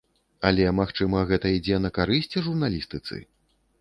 Але магчыма, гэта ідзе на карысць журналістыцы?